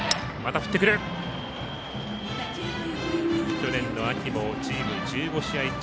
去年の秋もチーム１５試合中